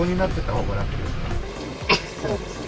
そうですね。